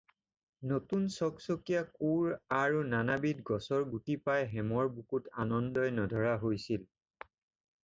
নতুন চকচকীয়া কোৰ আৰু নানাবিধ গছৰ গুটি পাই হেমৰ বুকুত আনন্দই নধৰা হৈছে।